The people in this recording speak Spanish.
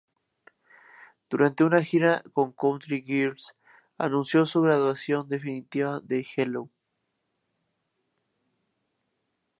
Durante una gira con Country Girls anunció su graduación definitiva de Hello!